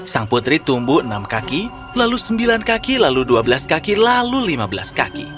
sang putri tumbuh enam kaki lalu sembilan kaki lalu dua belas kaki lalu lima belas kaki